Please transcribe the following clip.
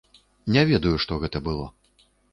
Не ведаю, што гэта было.